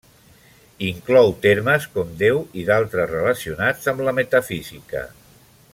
Inclou termes com Déu i d'altres relacionats amb la metafísica.